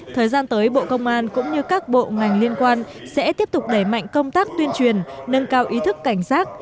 thời gian tới bộ công an cũng như các bộ ngành liên quan sẽ tiếp tục đẩy mạnh công tác tuyên truyền nâng cao ý thức cảnh giác